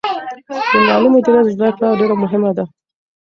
د مالي مدیریت زده کړه ډېره مهمه ده.